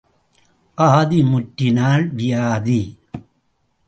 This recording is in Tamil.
ஆதி முற்றினால் வியாதி.